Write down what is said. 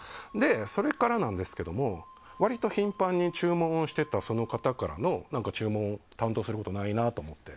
それからなんですが割と頻繁に注文をしてたその方からの注文を担当することないなと思って。